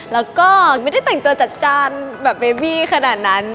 แล้วก็ไม่ได้แต่งตัวจัดจ้านแบบเบบี้ขนาดนั้น